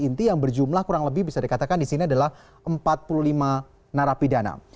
teroris inti yang berjumlah kurang lebih bisa dikatakan disini adalah empat puluh lima narapidana